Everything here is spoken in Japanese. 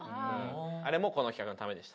あれもこの企画のためでした。